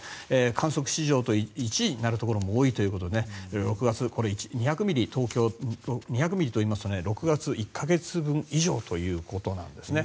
観測史上１位になるところも多いということで６月東京で２００ミリといいますと６月１か月分以上ということですね。